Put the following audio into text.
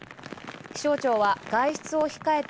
気象庁は外出を控えて